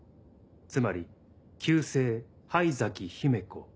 つまり旧姓「灰崎姫子」